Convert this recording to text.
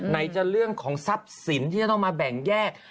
ไหนจะเรื่องของทรัพย์สินที่จะต้องมาแบ่งแยก